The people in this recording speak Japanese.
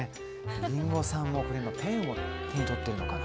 リンゴさんもペンを手に取ってるのかな。